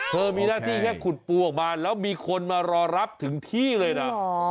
มีหน้าที่แค่ขุดปูออกมาแล้วมีคนมารอรับถึงที่เลยนะ